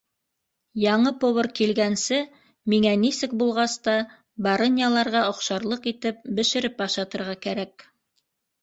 Яңы повар килгәнсе, миңә нисек булғас та, барыняларға оҡшарлыҡ итеп бешереп ашатырға кәрәк.